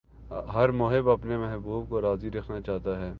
ہر محب اپنے محبوب کو راضی رکھنا چاہتا ہے